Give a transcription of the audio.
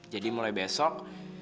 jadi mulai besok